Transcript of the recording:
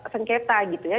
sengketa gitu ya